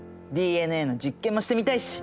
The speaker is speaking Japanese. ＤＮＡの実験もしてみたいし。